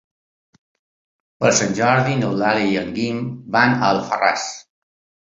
Per Sant Jordi n'Eulàlia i en Guim van a Alfarràs.